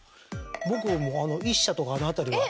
僕もあの一社とかあの辺りは。